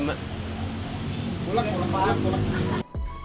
bolak ya bolak balikkan